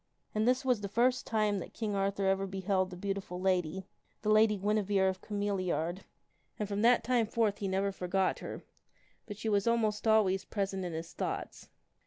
And this was the first time that King Arthur ever beheld that beauti ful lady, the Lady Guinevere of Cameliard, and from that time 1 6a THE WINNING OF A SWORD never forgot her, but she was almost always present in his thoughts.